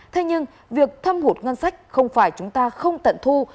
thế nhưng việc thâm hụt ngân sách không phải chúng ta không tận thu